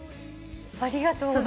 ありがとうございます。